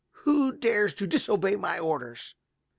"Who dares to disobey my orders?"